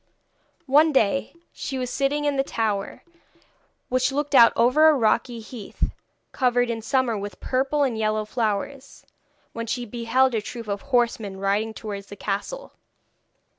One day, she was sitting in the tower, which looked out over a rocky heath, covered in summer with purple and yellow flowers, when she beheld a troop of horsemen riding towards the castle.